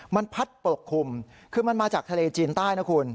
มันพัดปกคลุมคือมันมาจากทะเลจีนใต้นะคุณ